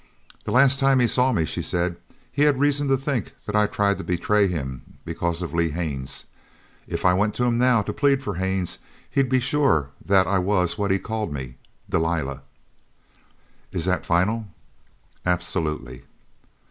"The last time he saw me," she said, "he had reason to think that I tried to betray him because of Lee Haines. If I went to him now to plead for Haines he'd be sure that I was what he called me Delilah!" "Is that final?" "Absolutely!"